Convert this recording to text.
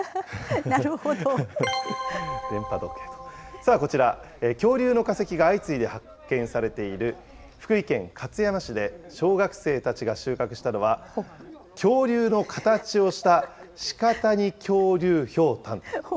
さあこちら、恐竜の化石が相次いで発見されている福井県勝山市で小学生たちが収穫したのは、恐竜の形をした、鹿谷恐竜ひょうたん。